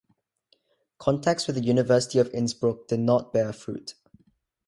Contacts with the University of Innsbruck did not bear fruit.